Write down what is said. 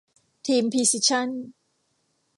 ทีมพรีซิชั่น